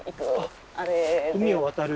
海を渡る。